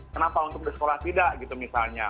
kenapa untuk di sekolah tidak gitu misalnya